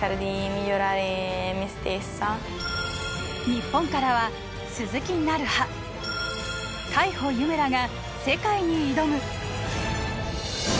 日本からは鈴木菜巴海保結愛らが世界に挑む！